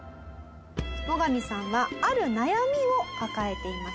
モガミさんはある悩みを抱えていました。